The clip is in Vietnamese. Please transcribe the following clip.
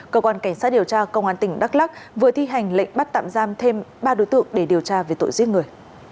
cơ quan cảnh sát điều tra công an tỉnh đắk lắc vừa thi hành lệnh bắt tạm giam thêm ba đối tượng để điều tra về tội giết người